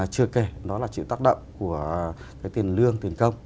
chưa kể nó là chịu tác động của cái tiền lương tiền công